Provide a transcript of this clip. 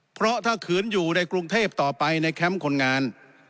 เพราะถ้าขืนอยู่ในกรุงเทพต่อไปในแคมป์คนงาน